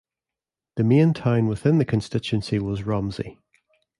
The main town within the constituency was Romsey.